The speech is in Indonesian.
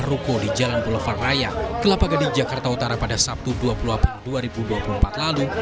ruko di jalan boulevar raya kelapa gading jakarta utara pada sabtu dua puluh april dua ribu dua puluh empat lalu